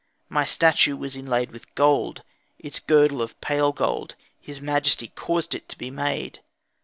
My statue was inlayed with gold, its girdle of pale gold; his majesty caused it to be made.